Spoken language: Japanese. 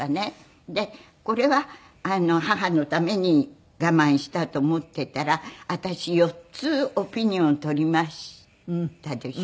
でこれは母のために我慢したと思っていたら私４つオピニオン取りましたでしょ。